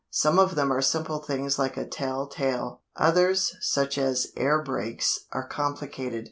Some of them are simple things like a tell tale. Others, such as air brakes, are complicated.